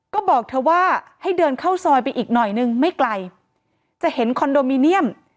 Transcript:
ก็บอกเธอว่าให้เดินเข้าซอยไปอีกหน่อยนึงไม่ไกลจะเห็นคอนโดมิเนียม